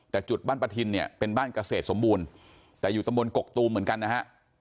แต่จุดบ้านประทินเนี่ยเป็นบ้านเกษตรสมบูรณ์แต่อยู่ตำบลกกตูมเหมือนกันนะฮะ